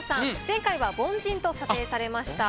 前回は凡人と査定されました。